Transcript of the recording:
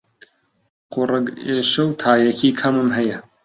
قوڕگ ئێشە و تایەکی کەمم هەیە.